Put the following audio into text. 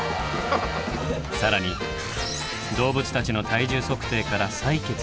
更に動物たちの体重測定から採血まで。